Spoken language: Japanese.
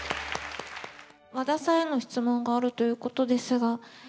和田さんへの質問があるということですが。